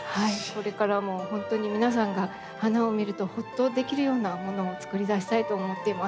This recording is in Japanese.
これからも本当に皆さんが花を見るとほっとできるようなものをつくり出したいと思っています。